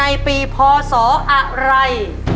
ในปีพศอะไร